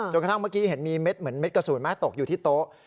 กระทั่งเมื่อกี้เห็นมีเม็ดเหมือนเด็ดกระสุนไหมตกอยู่ที่โต๊ะ